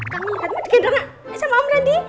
kami lihat mau digendong sama om randi